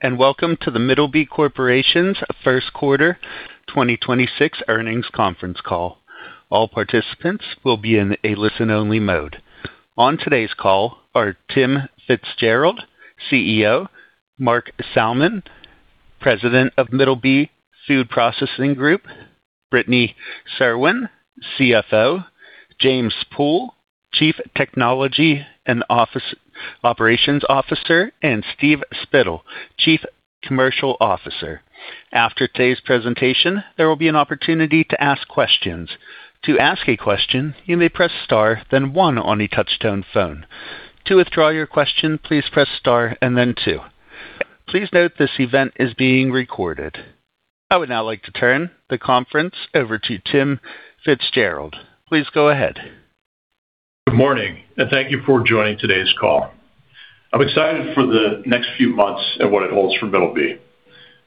And welcome to The Middleby Corporation's first quarter 2026 earnings conference call. All participants will be in a listen-only mode. On today's call are Tim FitzGerald, CEO; Mark Salman, President of The Middleby Food Processing Group; Brittany Cerwin, CFO; James Pool, Chief Technology and Operations Officer; and Steve Spittle, Chief Commercial Officer. After today's presentation, there will be an opportunity to ask questions. To ask a question, you may press star then one on your touchtone phone. To withdraw your question, please press star and then two. Please note this event is being recorded. I would now like to turn the conference over to Tim FitzGerald. Please go ahead. Good morning, and thank you for joining today's call. I'm excited for the next few months and what it holds for Middleby.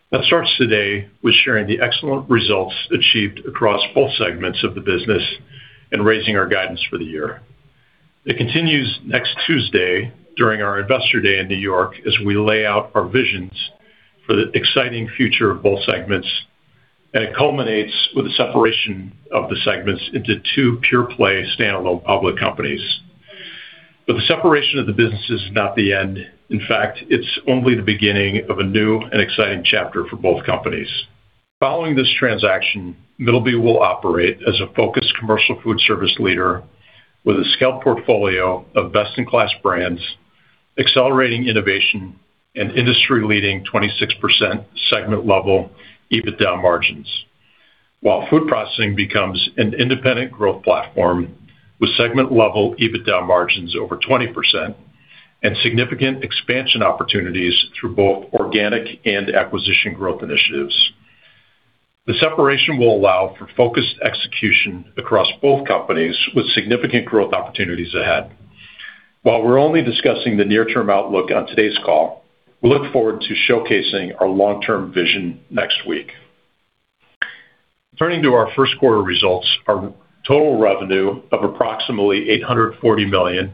That starts today with sharing the excellent results achieved across both segments of the business and raising our guidance for the year. It continues next Tuesday during our Investor Day in New York, as we lay out our visions for the exciting future of both segments, and it culminates with the separation of the segments into two pure-play standalone public companies. The separation of the business is not the end. In fact, it's only the beginning of a new and exciting chapter for both companies. Following this transaction, Middleby will operate as a focused commercial foodservice leader with a scaled portfolio of best-in-class brands, accelerating innovation and industry-leading 26% segment-level EBITDA margins. While Food Processing becomes an independent growth platform with segment-level EBITDA margins over 20% and significant expansion opportunities through both organic and acquisition growth initiatives. The separation will allow for focused execution across both companies with significant growth opportunities ahead. While we're only discussing the near-term outlook on today's call, we look forward to showcasing our long-term vision next week. Turning to our first quarter results, our total revenue of approximately $840 million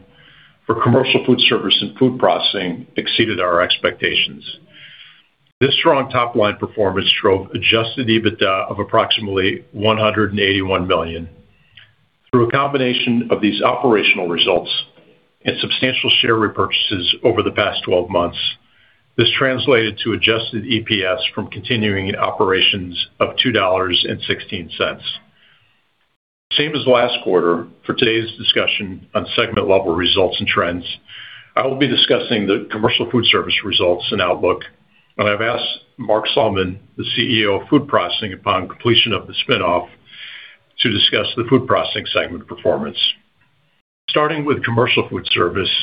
for Commercial Foodservice and Food Processing exceeded our expectations. This strong top-line performance drove adjusted EBITDA of approximately $181 million. Through a combination of these operational results and substantial share repurchases over the past 12 months, this translated to adjusted EPS from continuing operations of $2.16. Same as last quarter, for today's discussion on segment-level results and trends, I will be discussing the Commercial Foodservice results and outlook, and I've asked Mark Salman, the CEO of Food Processing upon completion of the spin-off, to discuss the Food Processing segment performance. Starting with Commercial Foodservice,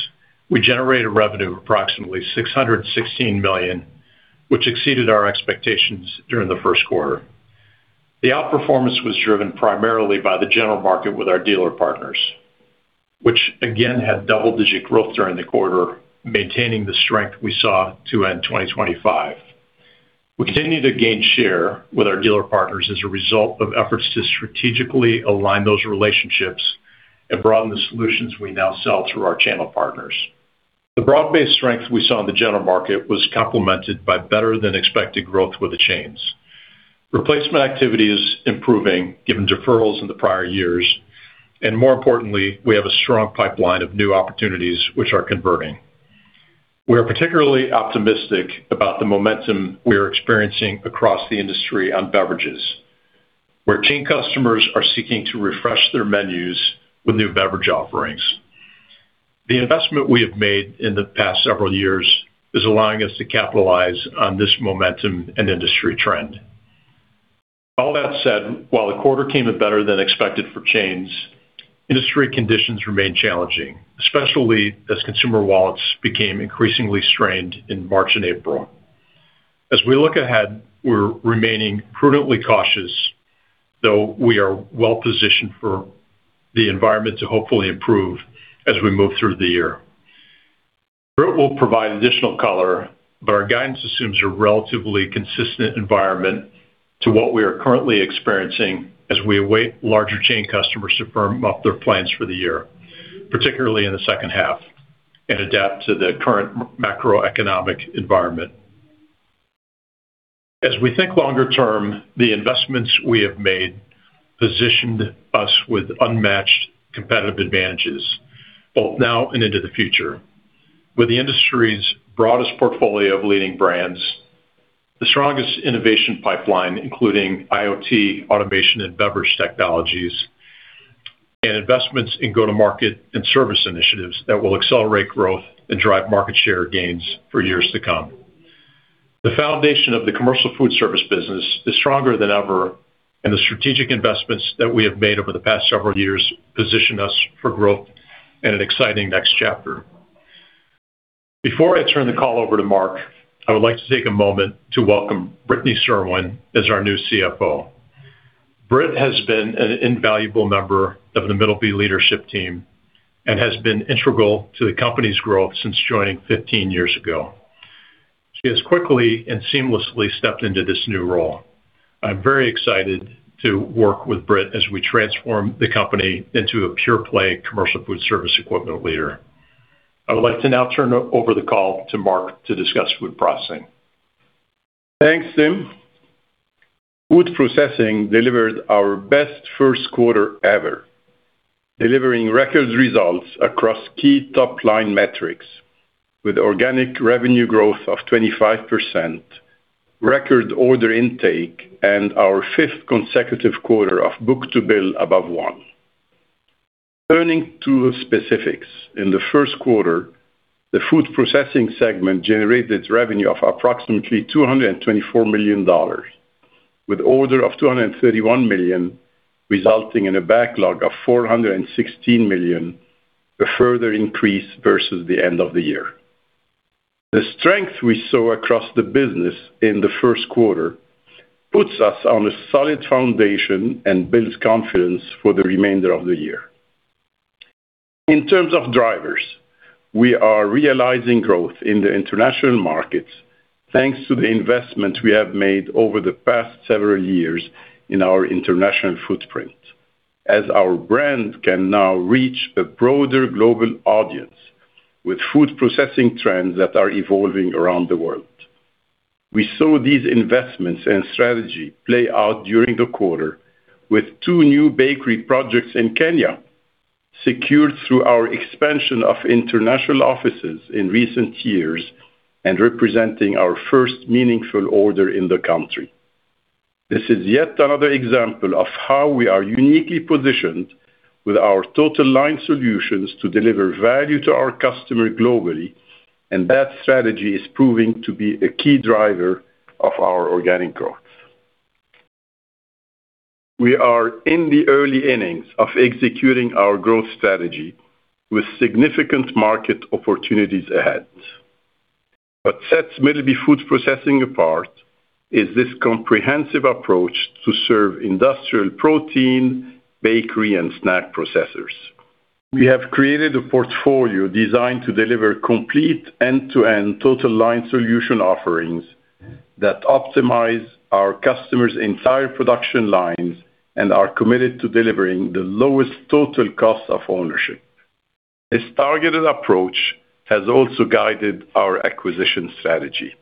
we generated revenue of approximately $616 million, which exceeded our expectations during the first quarter. The outperformance was driven primarily by the general market with our dealer partners, which again had double-digit growth during the quarter, maintaining the strength we saw to end 2025. We continue to gain share with our dealer partners as a result of efforts to strategically align those relationships and broaden the solutions we now sell through our channel partners. The broad-based strength we saw in the general market was complemented by better-than-expected growth with the chains. Replacement activity is improving given deferrals in the prior years, and more importantly, we have a strong pipeline of new opportunities which are converting. We are particularly optimistic about the momentum we are experiencing across the industry on beverages, where chain customers are seeking to refresh their menus with new beverage offerings. The investment we have made in the past several years is allowing us to capitalize on this momentum and industry trend. All that said, while the quarter came in better than expected for chains, industry conditions remain challenging, especially as consumer wallets became increasingly strained in March and April. As we look ahead, we're remaining prudently cautious, though we are well positioned for the environment to hopefully improve as we move through the year. Brit will provide additional color. Our guidance assumes a relatively consistent environment to what we are currently experiencing as we await larger chain customers to firm up their plans for the year, particularly in the second half, and adapt to the current macroeconomic environment. As we think longer term, the investments we have made positioned us with unmatched competitive advantages, both now and into the future. With the industry's broadest portfolio of leading brands, the strongest innovation pipeline, including IoT, automation, and beverage technologies, and investments in go-to-market and service initiatives that will accelerate growth and drive market share gains for years to come. The foundation of the commercial foodservice business is stronger than ever. And the strategic investments that we have made over the past several years position us for growth and an exciting next chapter. Before I turn the call over to Mark, I would like to take a moment to welcome Brittany Cerwin as our new CFO. Brit has been an invaluable member of the Middleby leadership team and has been integral to the company's growth since joining 15 years ago. She has quickly and seamlessly stepped into this new role. I'm very excited to work with Brit as we transform the company into a pure-play commercial foodservice equipment leader. I would like to now turn over the call to Mark to discuss Food Processing. Thanks, Tim. Food Processing delivered our best first quarter ever, delivering record results across key top-line metrics with organic revenue growth of 25%, record order intake, and our fifth consecutive quarter of book-to-bill above one. Turning to specifics, in the first quarter, the Food Processing segment generated revenue of approximately $224 million, with order of $231 million, resulting in a backlog of $416 million, a further increase versus the end of the year. The strength we saw across the business in the first quarter puts us on a solid foundation and builds confidence for the remainder of the year. In terms of drivers, we are realizing growth in the international markets thanks to the investment we have made over the past several years in our international footprint, as our brand can now reach a broader global audience with food processing trends that are evolving around the world. We saw these investments and strategy play out during the quarter with two new bakery projects in Kenya, secured through our expansion of international offices in recent years and representing our first meaningful order in the country. This is yet another example of how we are uniquely positioned with our total line solutions to deliver value to our customer globally, and that strategy is proving to be a key driver of our organic growth. We are in the early innings of executing our growth strategy with significant market opportunities ahead. What sets Middleby Food Processing apart is this comprehensive approach to serve industrial protein, bakery, and snack processors. We have created a portfolio designed to deliver complete end-to-end total line solution offerings that optimize our customers' entire production lines and are committed to delivering the lowest total cost of ownership. This targeted approach has also guided our acquisition strategy.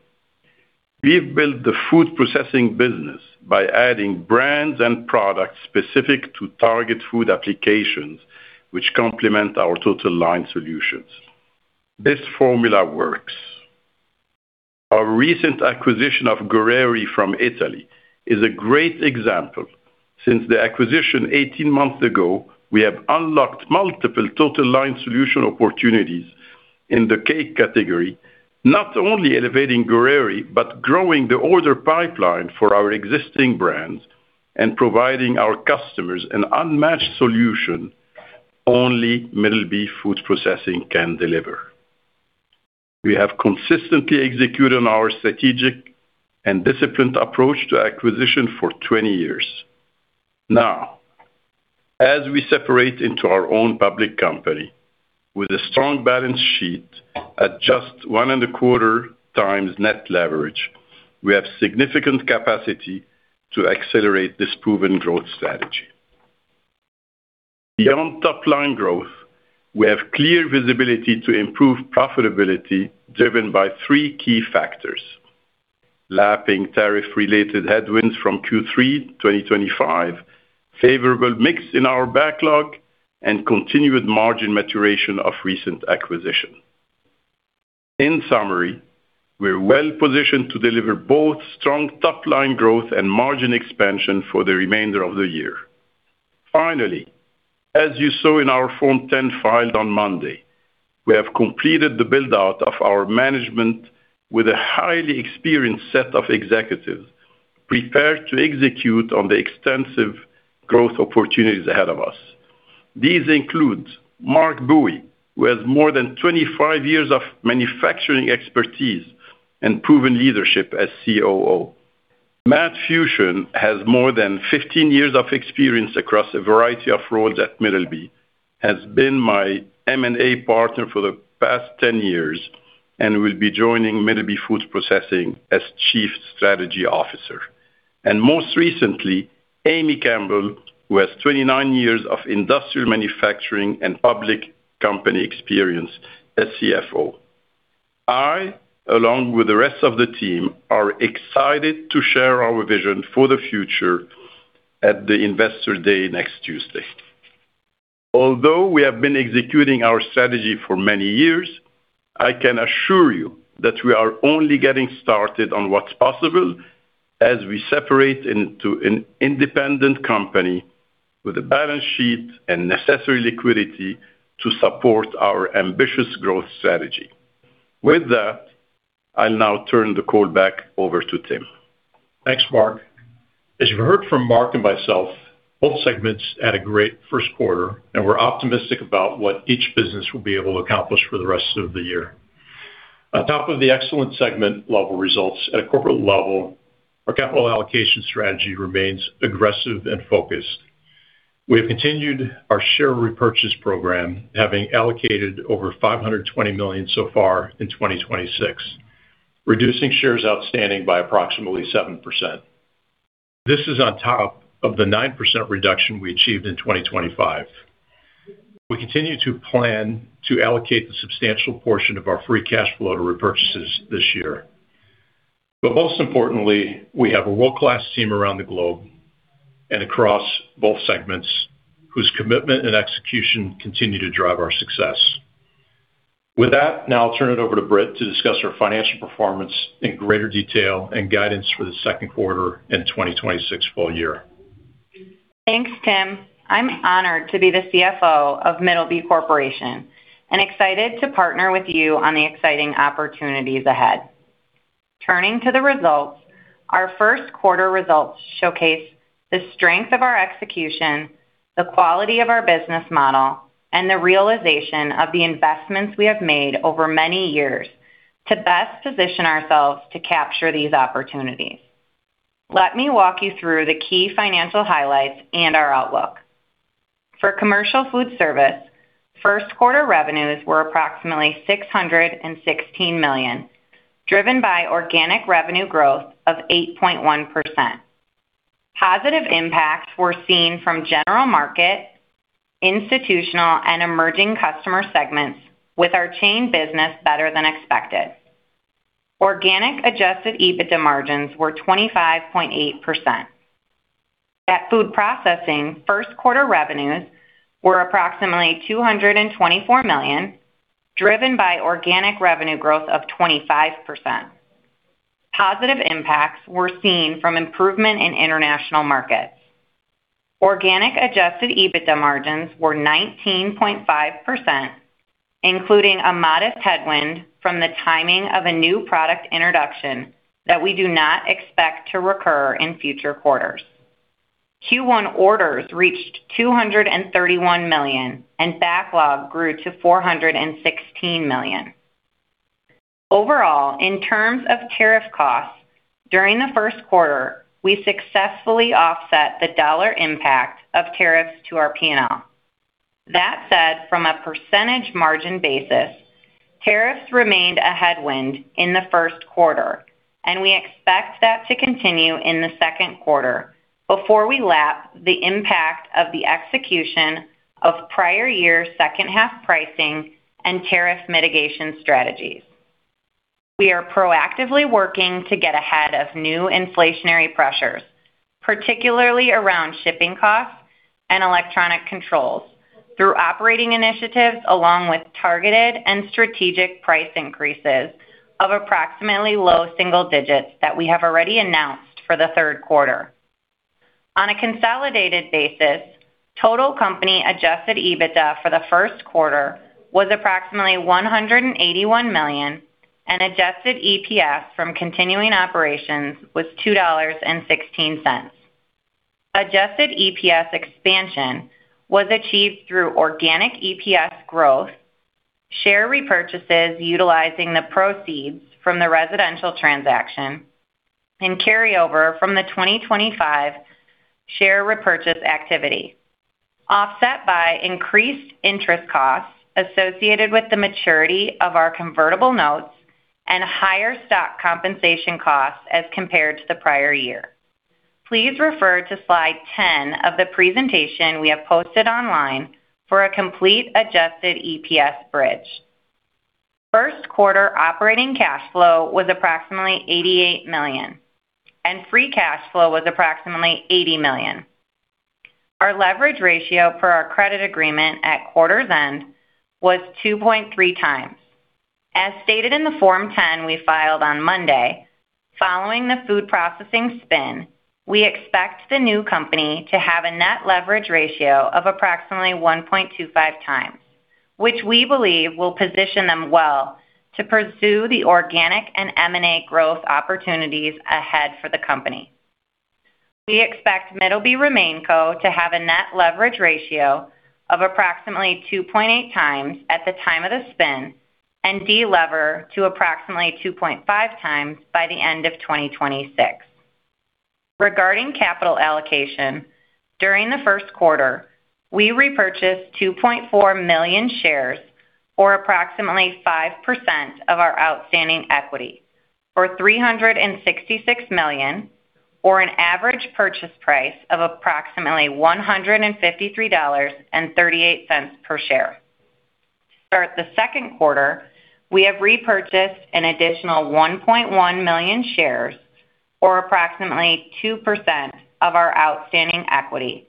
We've built the food processing business by adding brands and products specific to target food applications, which complement our total line solutions. This formula works. Our recent acquisition of Gorreri from Italy is a great example. Since the acquisition 18 months ago, we have unlocked multiple total line solution opportunities in the cake category, not only elevating Gorreri, but growing the order pipeline for our existing brands and providing our customers an unmatched solution only Middleby Food Processing can deliver. We have consistently executed our strategic and disciplined approach to acquisition for 20 years. Now, as we separate into our own public company with a strong balance sheet at just 1.25x net leverage, we have significant capacity to accelerate this proven growth strategy. Beyond top-line growth, we have clear visibility to improve profitability driven by three key factors: Lapping tariff-related headwinds from Q3 2025, favorable mix in our backlog, and continued margin maturation of recent acquisition. In summary, we're well-positioned to deliver both strong top-line growth and margin expansion for the remainder of the year. Finally, as you saw in our Form 10 filed on Monday, we have completed the build-out of our management with a highly experienced set of executives prepared to execute on the extensive growth opportunities ahead of us. These include Mark Bowie, who has more than 25 years of manufacturing expertise and proven leadership as COO. Matt Fuchsen has more than 15 years of experience across a variety of roles at Middleby, has been my M&A partner for the past 10 years, and will be joining Middleby Food Processing as Chief Strategy Officer. And most recently, Amy Campbell, who has 29 years of industrial manufacturing and public company experience as CFO. I, along with the rest of the team, are excited to share our vision for the future at the Investor Day next Tuesday. Although we have been executing our strategy for many years, I can assure you that we are only getting started on what's possible as we separate into an independent company with a balance sheet and necessary liquidity to support our ambitious growth strategy. With that, I'll now turn the call back over to Tim. Thanks, Mark. As you've heard from Mark and myself, both segments had a great first quarter, and we're optimistic about what each business will be able to accomplish for the rest of the year. On top of the excellent segment-level results, at a corporate level, our capital allocation strategy remains aggressive and focused. We have continued our share repurchase program, having allocated over $520 million so far in 2026, reducing shares outstanding by approximately 7%. This is on top of the 9% reduction we achieved in 2025. We continue to plan to allocate the substantial portion of our free cash flow to repurchases this year. But most importantly, we have a world-class team around the globe and across both segments whose commitment and execution continue to drive our success. With that, now I'll turn it over to Brit to discuss our financial performance in greater detail and guidance for the second quarter and 2026 full year. Thanks, Tim. I'm honored to be the CFO of The Middleby Corporation and excited to partner with you on the exciting opportunities ahead. Turning to the results, our first quarter results showcase the strength of our execution, the quality of our business model, and the realization of the investments we have made over many years to best position ourselves to capture these opportunities. Let me walk you through the key financial highlights and our outlook. For Commercial Foodservice, first quarter revenues were approximately $616 million, driven by organic revenue growth of 8.1%. Positive impacts were seen from general market, institutional, and emerging customer segments with our chain business better than expected. Organic adjusted EBITDA margins were 25.8%. At Food Processing, first quarter revenues were approximately $224 million, driven by organic revenue growth of 25%. Positive impacts were seen from improvement in international markets. Organic adjusted EBITDA margins were 19.5%, including a modest headwind from the timing of a new product introduction that we do not expect to recur in future quarters. Q1 orders reached $231 million, and backlog grew to $416 million. Overall, in terms of tariff costs, during the first quarter, we successfully offset the dollar impact of tariffs to our P&L. That said, from a percentage margin basis, tariffs remained a headwind in the first quarter, and we expect that to continue in the second quarter before we lap the impact of the execution of prior year second half pricing and tariff mitigation strategies. We are proactively working to get ahead of new inflationary pressures, particularly around shipping costs and electronic controls through operating initiatives, along with targeted and strategic price increases of approximately low single digits that we have already announced for the third quarter. On a consolidated basis, total company adjusted EBITDA for the first quarter was approximately $181 million, and adjusted EPS from continuing operations was $2.16. Adjusted EPS expansion was achieved through organic EPS growth, share repurchases utilizing the proceeds from the residential transaction, and carryover from the 2025 share repurchase activity, offset by increased interest costs associated with the maturity of our convertible notes and higher stock compensation costs as compared to the prior year. Please refer to slide 10 of the presentation we have posted online for a complete adjusted EPS bridge. First quarter operating cash flow was approximately $88 million, and free cash flow was approximately $80 million. Our leverage ratio for our credit agreement at quarter's end was 2.3x. As stated in the Form 10 we filed on Monday, following the Food Processing spin, we expect the new company to have a net leverage ratio of approximately 1.25x, which we believe will position them well to pursue the organic and M&A growth opportunities ahead for the company. We expect Middleby RemainCo to have a net leverage ratio of approximately 2.8x at the time of the spin and delever to approximately 2.5x by the end of 2026. Regarding capital allocation, during the first quarter, we repurchased 2.4 million shares or approximately 5% of our outstanding equity for $366 million, or an average purchase price of approximately $153.38 per share. To start the second quarter, we have repurchased an additional 1.1 million shares or approximately 2% of our outstanding equity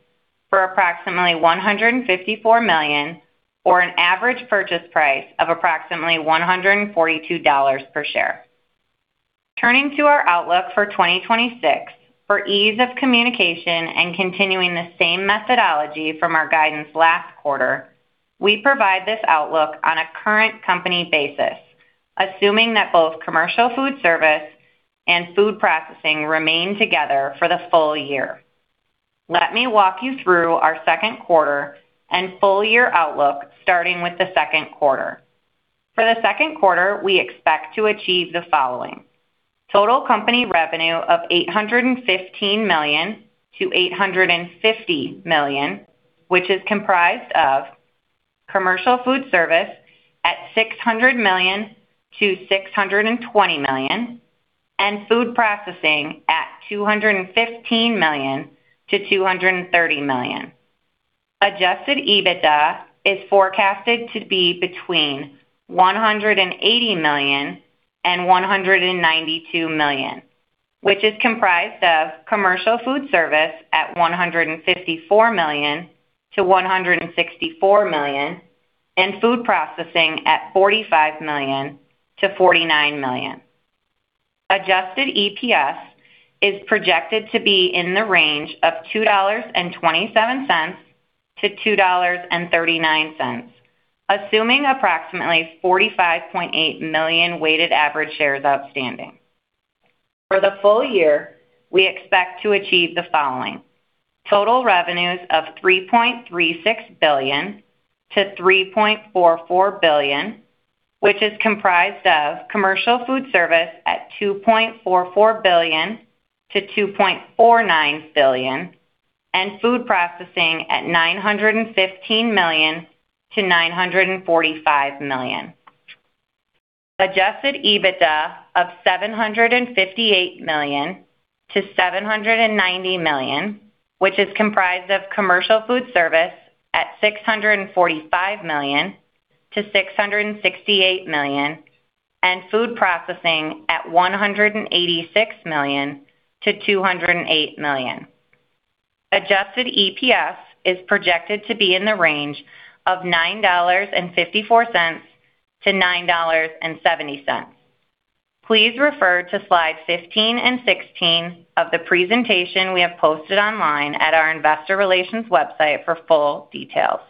for approximately $154 million, or an average purchase price of approximately $142 per share. Turning to our outlook for 2026, for ease of communication and continuing the same methodology from our guidance last quarter, we provide this outlook on a current company basis, assuming that both Commercial Foodservice and Food Processing remain together for the full year. Let me walk you through our second quarter and full-year outlook, starting with the second quarter. For the second quarter, we expect to achieve the following: Total company revenue of $815 million-$850 million, which is comprised of Commercial Foodservice at $600 million-$620 million and Food Processing at $215 million-$230 million. Adjusted EBITDA is forecasted to be between $180 million and $192 million, which is comprised of Commercial Foodservice at $154 million-$164 million and Food Processing at $45 million-$49 million. Adjusted EPS is projected to be in the range of $2.27-$2.39, assuming approximately 45.8 million weighted average shares outstanding. For the full year, we expect to achieve the following: Total revenues of $3.36 billion-$3.44 billion, which is comprised of Commercial Foodservice at $2.44 billion-$2.49 billion and Food Processing at $915 million-$945 million. Adjusted EBITDA of $758 million-$790 million, which is comprised of Commercial Foodservice at $645 million-$668 million and Food Processing at $186 million-$208 million. Adjusted EPS is projected to be in the range of $9.54-$9.70. Please refer to slide 15 and 16 of the presentation we have posted online at our Investor Relations website for full details.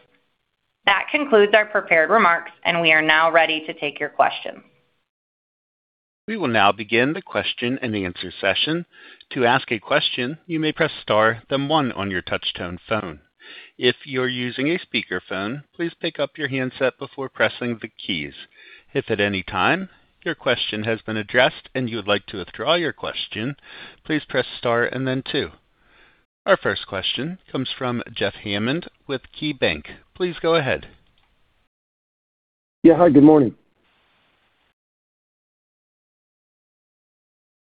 That concludes our prepared remarks, and we are now ready to take your questions. We will now begin the question-and-answer session. To ask a question, you may press star then one on your touchtone phone. If you are using a speakerphone, please pick up your handset before pressing the keys. And if at any time your question has been addressed and you'd like to withdraw your question, please press star and then two. Our first question comes from Jeff Hammond with KeyBanc. Please go ahead. Yeah. Hi, good morning.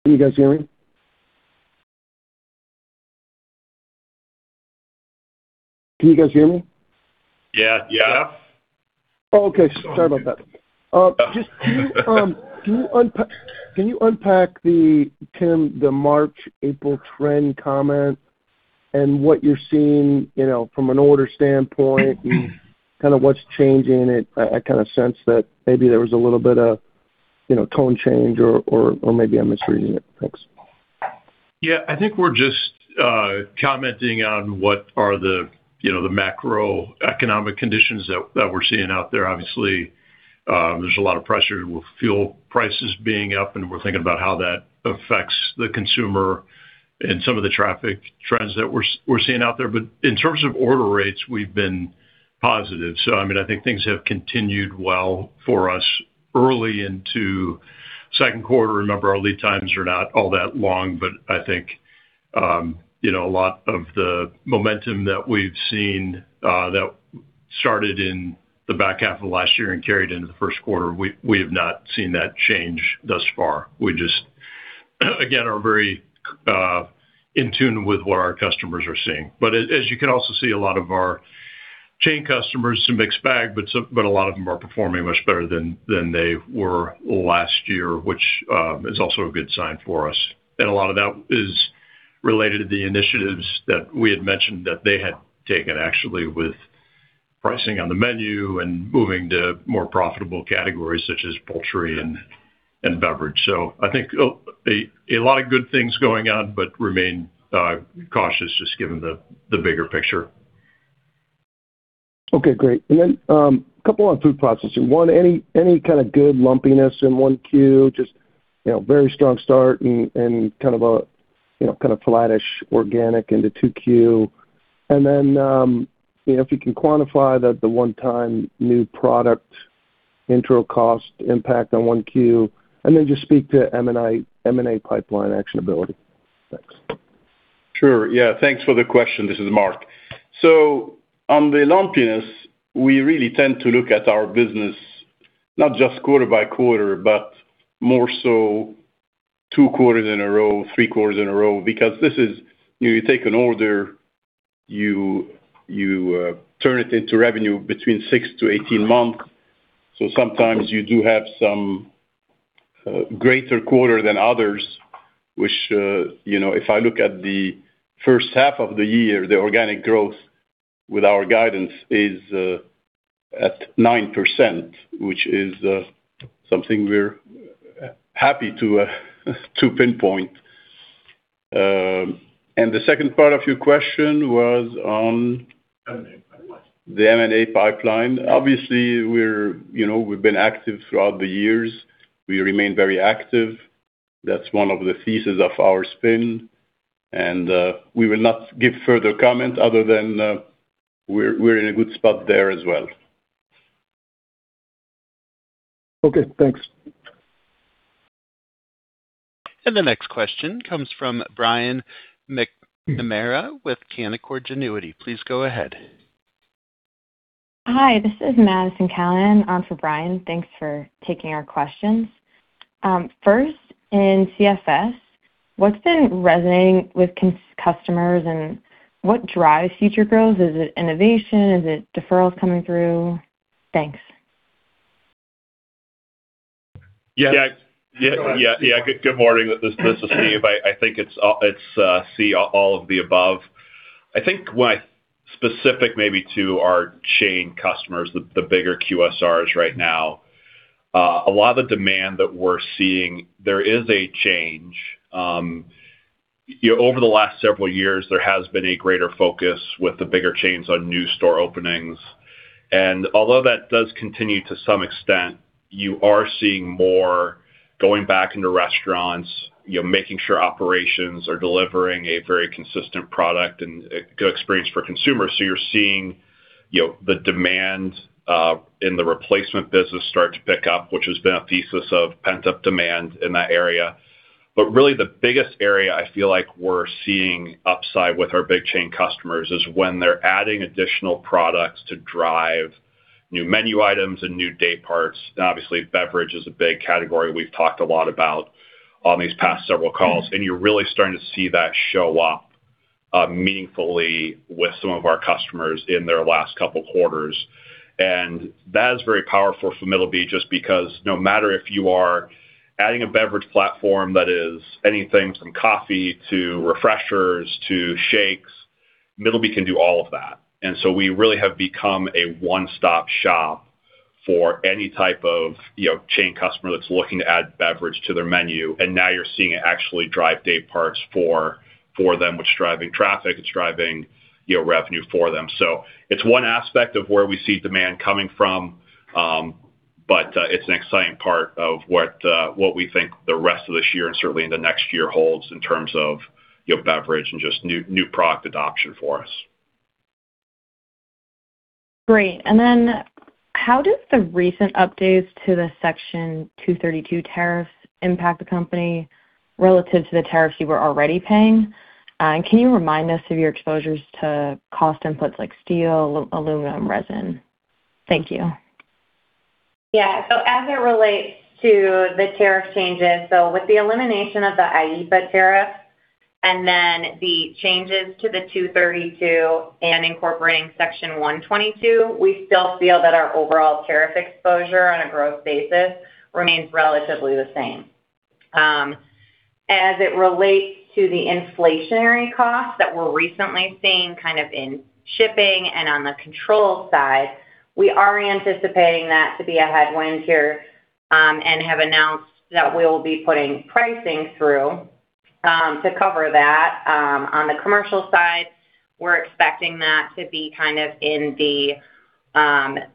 Can you guys hear me? Can you guys hear me? Yeah, yeah. Oh, okay. Sorry about that. Just can you unpack, Tim, the March, April trend comment and what you're seeing, you know, from an order standpoint and kind of what's changing it? I kind of sense that maybe there was a little bit of, you know, tone change or maybe I'm misreading it. Thanks. Yeah. I think we're just commenting on what are the, you know, the macroeconomic conditions that we're seeing out there. Obviously, there's a lot of pressure with fuel prices being up, and we're thinking about how that affects the consumer and some of the traffic trends that we're seeing out there. But in terms of order rates, we've been positive. So I mean, I think things have continued well for us early into second quarter. Remember, our lead times are not all that long, but I think, you know, a lot of the momentum that we've seen that started in the back half of last year and carried into the first quarter, we have not seen that change thus far. We just, again, are very in tune with what our customers are seeing. But as you can also see a lot of our chain customers, it's a mixed bag, but a lot of them are performing much better than they were last year, which is also a good sign for us. A lot of that is related to the initiatives that we had mentioned that they had taken actually with pricing on the menu and moving to more profitable categories such as poultry and beverage. So I think a lot of good things going on but remain cautious just given the bigger picture. Okay, great. And a couple on Food Processing. One, any kind of good lumpiness in 1Q? Just, very strong start and kind of a kind of flattish organic into 2Q. And then if you can quantify the one-time new product intro cost impact on 1Q, and then just speak to M&A pipeline actionability. Thanks. Sure. Yeah, thanks for the question. This is Mark. So on the lumpiness, we really tend to look at our business not just quarter by quarter, but more so two quarters in a row, three quarters in a row because if you take an order, you turn it into revenue between six to 18 months. Sometimes you do have some greater quarter than others, which, you know, if I look at the first half of the year, the organic growth with our guidance is at 9%, which is something we're happy to pinpoint. And the second part of your question was on? M&A pipeline. The M&A pipeline. Obviously, we're, you know, we've been active throughout the years. We remain very active. That's one of the thesis of our spin. And we will not give further comment other than. We're in a good spot there as well. Okay, thanks. The next question comes from Brian McNamara with Canaccord Genuity. Please go ahead. Hi, this is Madison Callinan on for Brian. Thanks for taking our questions. First, in CFS, what's been resonating with customers, and what drives future growth? Is it innovation? Is it deferrals coming through? Thanks. Yeah. Yeah. Yeah. Yeah. Good morning. This is Steve. I think it's C, all of the above. I think what specific maybe to our chain customers, the bigger QSRs right now, a lot of the demand that we're seeing, there is a change. You know, over the last several years, there has been a greater focus with the bigger chains on new store openings. Although that does continue to some extent, you are seeing more going back into restaurants, you know, making sure operations are delivering a very consistent product and a good experience for consumers. You're seeing, you know, the demand in the replacement business start to pick up, which has been a thesis of pent-up demand in that area. But really the biggest area I feel like we're seeing upside with our big chain customers is when they're adding additional products to drive new menu items and new day parts. Obviously, beverage is a big category we've talked a lot about on these past several calls, and you're really starting to see that show up meaningfully with some of our customers in their last couple quarters. That is very powerful for Middleby just because no matter if you are adding a beverage platform that is anything from coffee to refreshers to shakes, Middleby can do all of that. We really have become a one-stop shop for any type of, you know, chain customer that's looking to add beverage to their menu. Now you're seeing it actually drive day parts for them, which is driving traffic, it's driving, you know, revenue for them. So it's one aspect of where we see demand coming from, but it's an exciting part of what we think the rest of this year and certainly in the next year holds in terms of, you know, beverage and just new product adoption for us. Great. And then how does the recent updates to the Section 232 tariffs impact the company relative to the tariffs you were already paying? Can you remind us of your exposures to cost inputs like steel, aluminum, resin? Thank you. Yeah. As it relates to the tariff changes, with the elimination of the IEEPA tariff and then the changes to the 232 and incorporating Section 122, we still feel that our overall tariff exposure on a growth basis remains relatively the same. As it relates to the inflationary costs that we're recently seeing kind of in shipping and on the petrol side, we are anticipating that to be a headwind here, and have announced that we'll be putting pricing through to cover that. On the Commercial side, we're expecting that to be kind of in the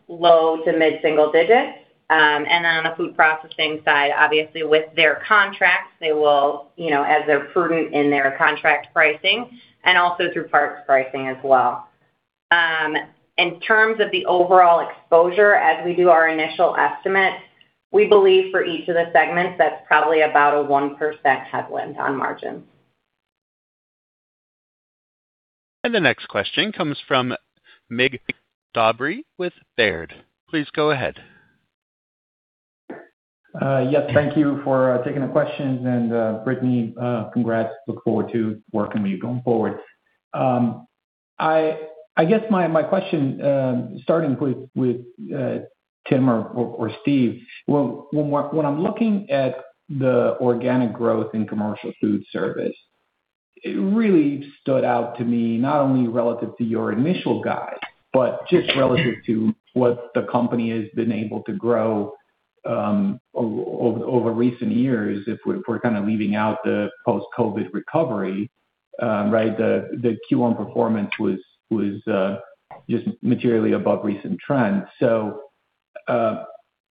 low to mid-single digits. Then on the Food Processing side, obviously with their contracts, they will, you know, as they're prudent in their contract pricing and also through parts pricing as well. In terms of the overall exposure, as we do our initial estimate, we believe for each of the segments, that's probably about a 1% headwind on margins. And the next question comes from Mig Dobre with Baird. Please go ahead. Yes. Thank you for taking the questions. And Brittany, congrats. Look forward to working with you going forward. I guess my question, starting with Tim or Steve. When I'm looking at the organic growth in Commercial Foodservice, it really stood out to me, not only relative to your initial guide, but just relative to what the company has been able to grow over recent years, if we're kind of leaving out the post-COVID recovery, right? The Q1 performance was just materially above recent trends.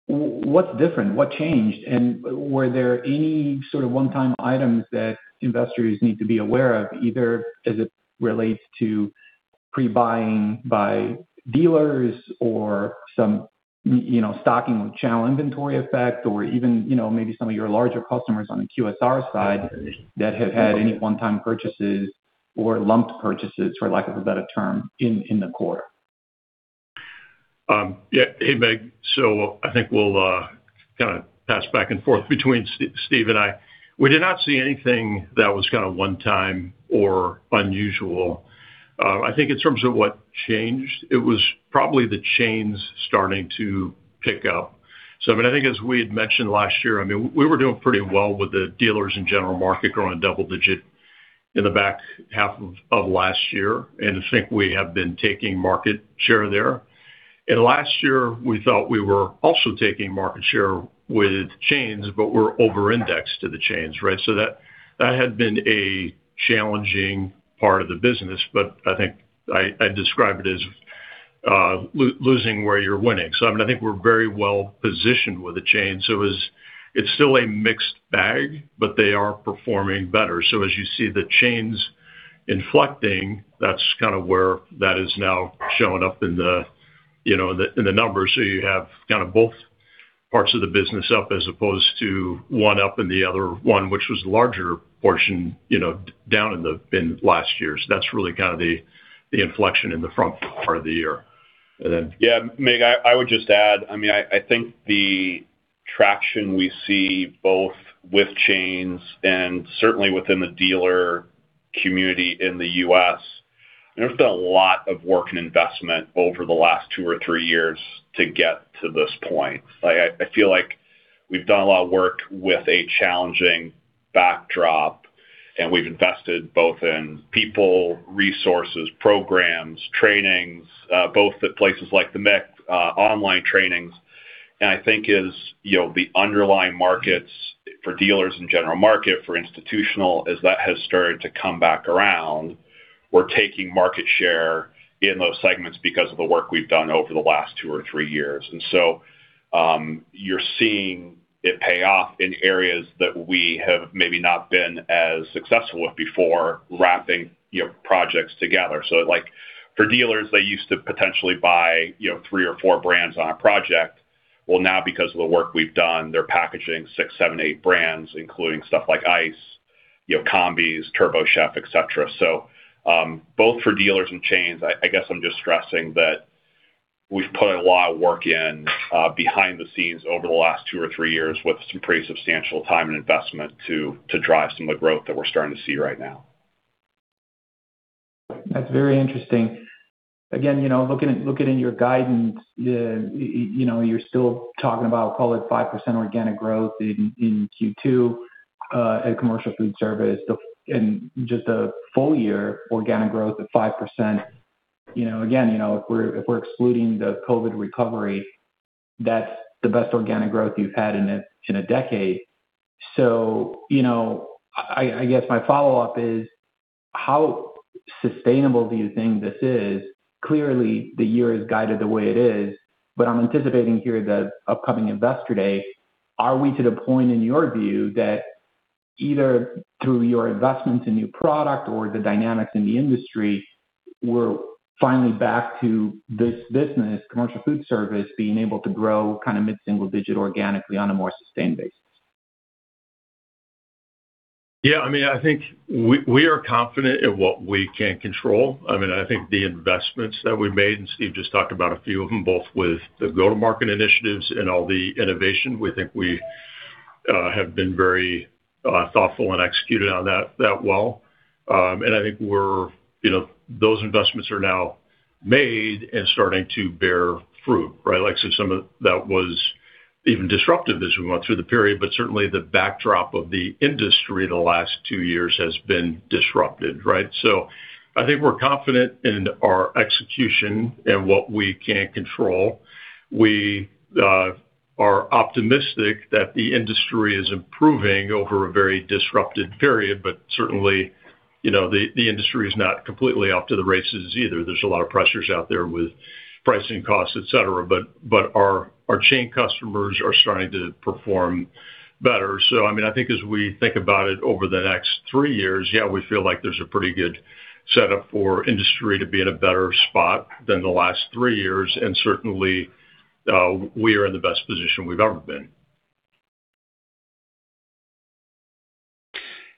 What's different? What changed? And were there any sort of one-time items that investors need to be aware of, either as it relates to pre-buying by dealers or some, you know, stocking with channel inventory effect or even, you know, maybe some of your larger customers on the QSR side that have had any one-time purchases or lumped purchases, for lack of a better term, in the quarter? Yeah. Hey, Mig. So I think we'll kinda pass back and forth between Steve and I. We did not see anything that was kinda one-time or unusual. I think in terms of what changed, it was probably the chains starting to pick up. I mean, I think as we had mentioned last year, I mean, we were doing pretty well with the dealers and general market growing double-digit in the back half of last year. I think we have been taking market share there. Last year, we thought we were also taking market share with chains, but we're over-indexed to the chains, right? So that, that had been a challenging part of the business, but I think I describe it as losing where you're winning. I mean, I think we're very well positioned with the chain. So it's still a mixed bag, but they are performing better. As you see the chains inflecting, that's kind of where that is now showing up in the, you know, in the numbers. You have kinda both parts of the business up as opposed to one up and the other one, which was larger portion, you know, down in last year. That's really kind of the inflection in the front part of the year. Yeah, Mig, I would just add, I mean, I think the traction we see both with chains and certainly within the dealer community in the U.S., there's been a lot of work and investment over the last two or three years to get to this point. I feel like we've done a lot of work with a challenging backdrop, and we've invested both in people, resources, programs, trainings, both at places like the MIK, online trainings. I think as, you know, the underlying markets for dealers in general market, for institutional, as that has started to come back around, we're taking market share in those segments because of the work we've done over the last two or three years. And so you're seeing it pay off in areas that we have maybe not been as successful with before, wrapping, you know, projects together. Like for dealers, they used to potentially buy, you know, three or four brands on a project. Well now because of the work we've done, they're packaging six, seven, eight brands, including stuff like ice, you know, combis, TurboChef, et cetera. Both for dealers and chains, I guess I'm just stressing that we've put a lot of work in behind the scenes over the last two or three years with some pretty substantial time and investment to drive some of the growth that we're starting to see right now. That's very interesting. Again, you know, looking at your guidance, you know, you're still talking about, call it, 5% organic growth in Q2 in Commercial Foodservice. Just a full-year organic growth of 5%. You know, again, if we're excluding the COVID recovery, that's the best organic growth you've had in a decade. You know, I guess my follow-up is how sustainable do you think this is? Clearly, the year is guided the way it is, but I'm anticipating here the upcoming Investor Day, are we to the point, in your view, that either through your investment in new product or the dynamics in the industry, we're finally back to this business, commercial foodservice, being able to grow kind of mid-single digit organically on a more sustained basis? Yeah. I mean, I think we are confident in what we can control. I mean, I think the investments that we made, and Steve just talked about a few of them, both with the go-to-market initiatives and all the innovation, we think we have been very thoughtful and executed on that well. I think we're, you know, those investments are now made and starting to bear fruit, right? Like I said, some of that was even disruptive as we went through the period, but certainly the backdrop of the industry the last two years has been disrupted, right? I think we're confident in our execution and what we can control. We are optimistic that the industry is improving over a very disrupted period, but certainly, you know, the industry is not completely off to the races either. There's a lot of pressures out there with pricing costs, et cetera. But our chain customers are starting to perform better. I mean, I think as we think about it over the next three years, we feel like there's a pretty good setup for industry to be in a better spot than the last three years. Certainly, we are in the best position we've ever been.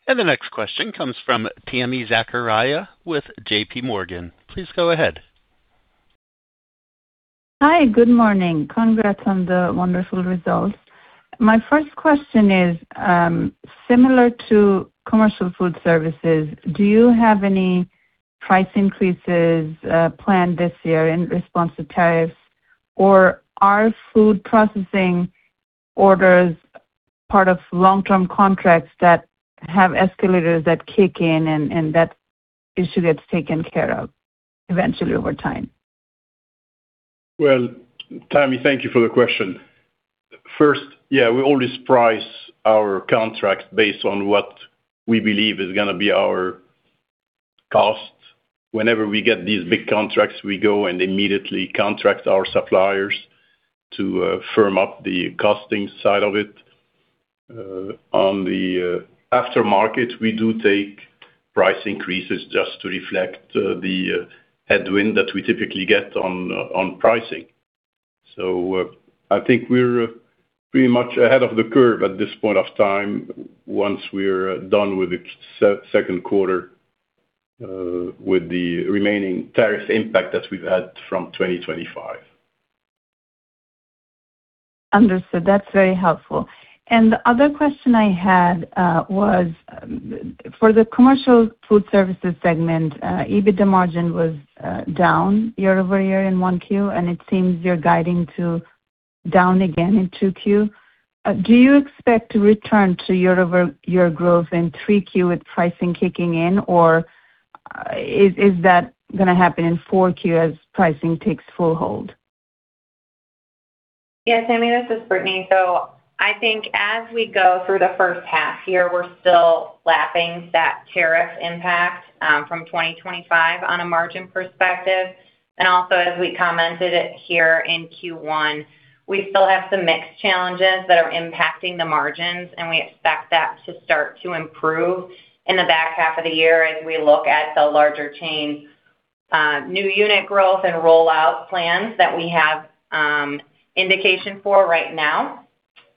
And the next question comes from Tami Zakaria with JPMorgan. Please go ahead. Hi, good morning. Congrats on the wonderful results. My first question is, similar to Commercial Foodservices, do you have any price increases planned this year in response to tariffs? Or are food processing orders part of long-term contracts that have escalators that kick in and that issue gets taken care of eventually over time? Well, Tami, thank you for the question. First, yeah, we always price our contracts based on what we believe is gonna be our costs. Whenever we get these big contracts, we go and immediately contract our suppliers to firm up the costing side of it. On the aftermarket, we do take price increases just to reflect the headwind that we typically get on pricing. I think we're pretty much ahead of the curve at this point of time once we're done with the second quarter, with the remaining tariff impact that we've had from 2025. Understood. That's very helpful. The other question I had was for the Commercial Foodservices segment, EBITDA margin was down year-over-year in 1Q, and it seems you're guiding to down again in 2Q. Do you expect to return to year-over-year growth in 3Q with pricing kicking in or is that gonna happen in 4Q as pricing takes full hold? Yeah. Tami, this is Brittany. I think as we go through the first half here, we're still lapping that tariff impact from 2025 on a margin perspective. Also, as we commented it here in Q1, we still have some mix challenges that are impacting the margins, and we expect that to start to improve in the back half of the year as we look at the larger chain, new unit growth and rollout plans that we have indication for right now.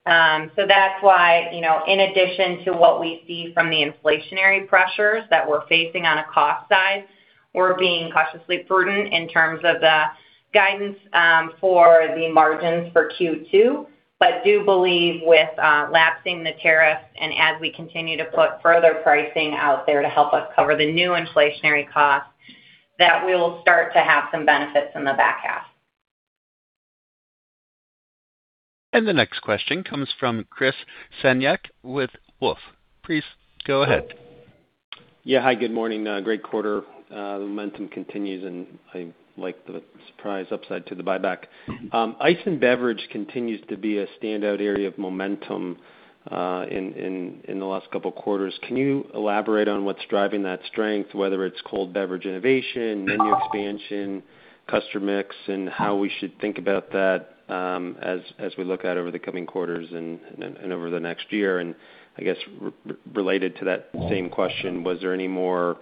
That's why, you know, in addition to what we see from the inflationary pressures that we're facing on a cost side, we're being cautiously prudent in terms of the guidance for the margins for Q2. But I do believe with lapping the tariffs and as we continue to put further pricing out there to help us cover the new inflationary costs, that we will start to have some benefits in the back half. The next question comes from Chris Senyek with Wolfe Research. Chris, go ahead. Yeah. Hi, good morning. Great quarter. The momentum continues, and I like the surprise upside to the buyback. Ice and beverage continues to be a standout area of momentum in the last couple quarters. Can you elaborate on what's driving that strength, whether it's cold beverage innovation, menu expansion, customer mix, and how we should think about that as we look out over the coming quarters and over the next year? I guess related to that same question, was there any more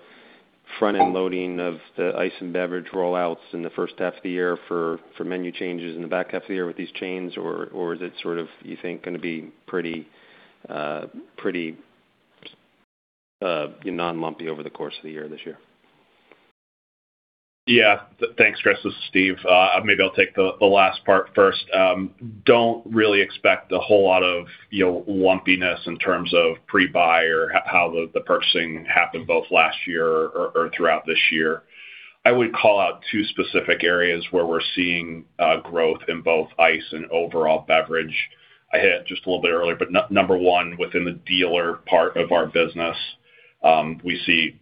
front-end loading of the ice and beverage rollouts in the first half of the year for menu changes in the back half of the year with these chains, or is it sort of, you think going to be pretty non-lumpy over the course of the year this year? Yeah. Thanks, Chris. This is Steve. Maybe I'll take the last part first. Don't really expect a whole lot of, you know, lumpiness in terms of pre-buy or how the purchasing happened both last year or throughout this year. I would call out two specific areas where we're seeing growth in both ice and overall beverage. I hit it just a little bit earlier, but number one, within the dealer part of our business, we see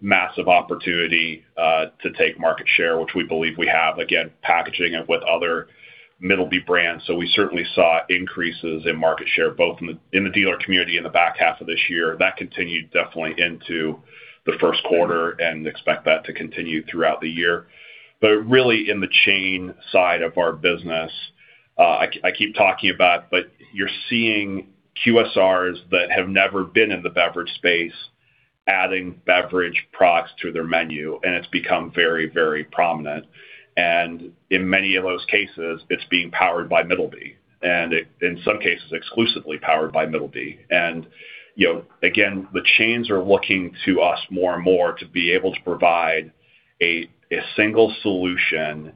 massive opportunity to take market share, which we believe we have, again, packaging it with other Middleby brands. We certainly saw increases in market share, both in the dealer community in the back half of this year. That continued definitely into the 1st quarter and expect that to continue throughout the year. But really in the chain side of our business, I keep talking about, but you're seeing QSRs that have never been in the beverage space adding beverage products to their menu, and it's become very, very prominent. In many of those cases, it's being powered by Middleby, and it, in some cases, exclusively powered by Middleby. You know, again, the chains are looking to us more and more to be able to provide a single solution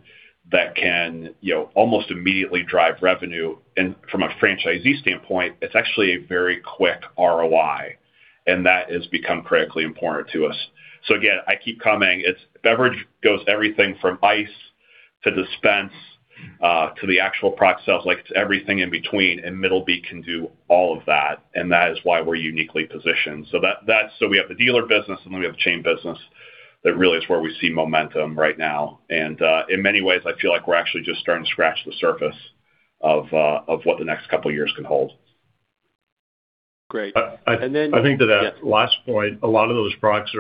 that can, you know, almost immediately drive revenue. From a franchisee standpoint, it's actually a very quick ROI, and that has become critically important to us. Again, I keep coming. Beverage goes everything from ice to dispense, to the actual product sales, like to everything in between, and Middleby can do all of that. That is why we're uniquely positioned. We have the dealer business, and then we have the chain business. That really is where we see momentum right now. In many ways, I feel like we're actually just starting to scratch the surface of what the next couple years can hold. Great. I think to that last point, a lot of those products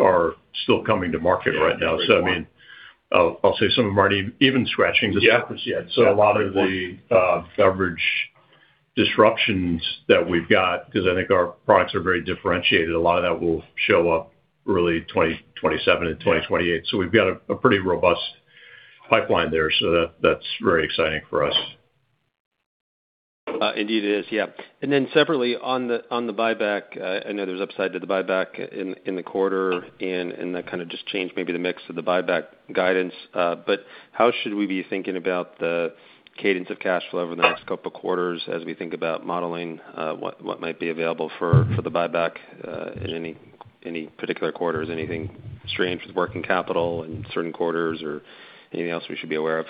are still coming to market right now. I mean, I'll say some of them aren't even scratching the surface yet. A lot of the beverage disruptions that we've got, 'cause I think our products are very differentiated, a lot of that will show up really 2027 and 2028. We've got a pretty robust pipeline there. That's very exciting for us. Indeed it is, yeah. And then separately, on the buyback, I know there's upside to the buyback in the quarter and that kinda just changed maybe the mix of the buyback guidance. How should we be thinking about the cadence of cash flow over the next couple quarters as we think about modeling what might be available for the buyback in any particular quarters? Anything strange with working capital in certain quarters or anything else we should be aware of?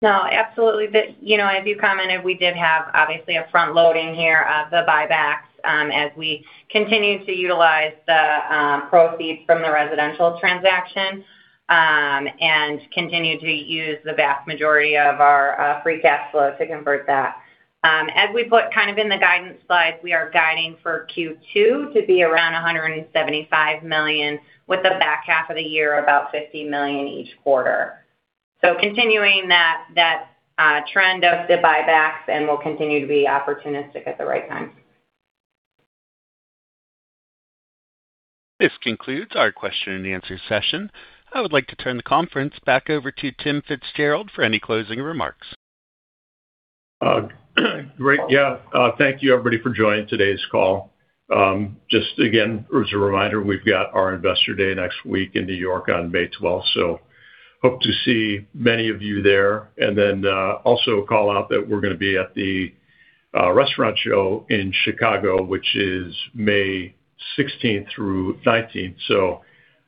No, absolutely. You know, as you commented, we did have obviously a front-loading here of the buybacks, as we continue to utilize the proceeds from the residential transaction, and continue to use the vast majority of our free cash flow to convert that. As we put kind of in the guidance slide, we are guiding for Q2 to be around $175 million, with the back half of the year about $50 million each quarter. So continuing that trend of the buybacks and will continue to be opportunistic at the right time. This concludes our question-and-answer session. I would like to turn the conference back over to Tim FitzGerald for any closing remarks. Great. Yeah. Thank you everybody for joining today's call. Just again, as a reminder, we've got our Investor Day next week in New York on May 12th. So hope to see many of you there. And then also call out that we're gonna be at the restaurant show in Chicago, which is May 16th through 19th.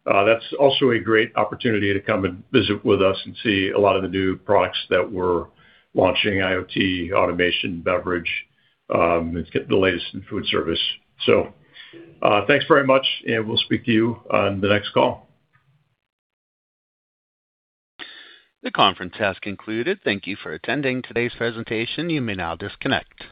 That's also a great opportunity to come and visit with us and see a lot of the new products that we're launching, IoT, automation, beverage, and get the latest in foodservice. Thanks very much, and we'll speak to you on the next call. The conference has concluded. Thank you for attending today's presentation. You may now disconnect.